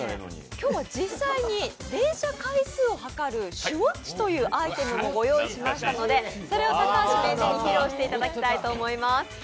今日は実際に連射回数をはかるシュウォッチというアイテムをご用意しましたので、それを高橋名人に披露していただきたいと思います。